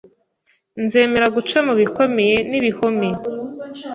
Nzemera guca mu bikomeye n’ibihome